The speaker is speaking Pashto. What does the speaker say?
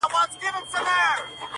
• خو جاهل اولس -